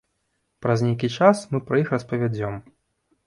Праз нейкі час мы пра іх распавядзём.